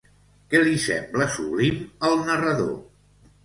Què li sembla sublim al narrador?